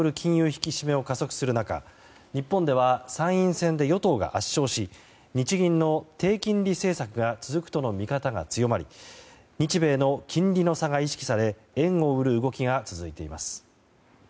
引き締めを加速する中日本では、参院選で与党が圧勝し日銀の低金利政策が続くとの見方が強まり日米の金利の差が意識され円を売る動きが続いています。